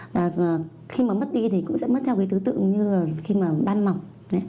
và khi mà mất đi thì cũng sẽ mất theo cái thứ tự như là khi mà ban mọc